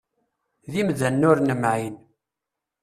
D imdanen ur nemɛin.